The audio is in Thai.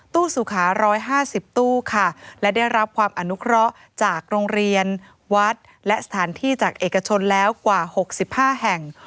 สุขา๑๕๐ตู้ค่ะและได้รับความอนุเคราะห์จากโรงเรียนวัดและสถานที่จากเอกชนแล้วกว่า๖๕แห่ง